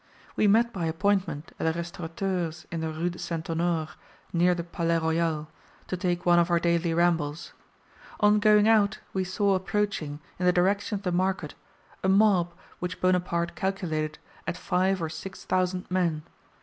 We met by appointment at a restaurateur's in the Rue St. Honore, near the Palais Royal, to take one of our daily rambles. On going out we saw approaching, in the direction of the market, a mob, which Bonaparte calculated at five or six thousand men.